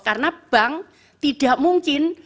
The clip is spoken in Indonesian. karena bank tidak mungkin